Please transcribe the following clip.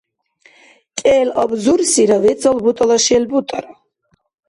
кӀел абзурсира вецӀал бутӀала шел бутӀара